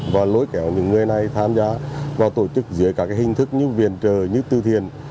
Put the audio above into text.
và lối kéo những người này tham gia vào tổ chức dưới các hình thức như viện trời như tư thiền